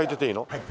はい。